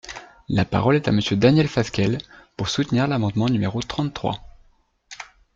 La parole est à Monsieur Daniel Fasquelle, pour soutenir l’amendement numéro trente-trois.